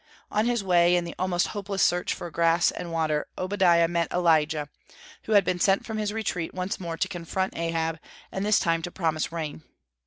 On his way, in the almost hopeless search for grass and water, Obadiah met Elijah, who had been sent from his retreat once more to confront Ahab, and this time to promise rain.